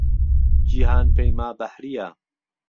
جیهان پهیما بهحرییه